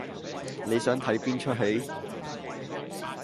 你想睇邊齣戲？